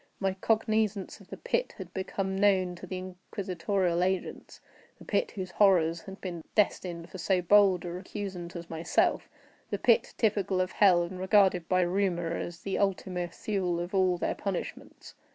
My cognizance of the pit had become known to the inquisitorial agents—the pit, whose horrors had been destined for so bold a recusant as myself—the pit, typical of hell, and regarded by rumor as the Ultima Thule of all their punishments.